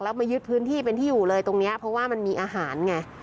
แล้วมายึดพื้นที่เป็นที่อยู่เลยตรงนี้เพราะว่ามันมีอาหารไง